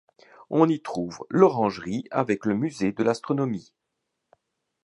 On y trouve l'Orangerie avec le musée de l'astronomie.